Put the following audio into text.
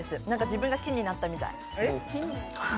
自分が木になったみたい。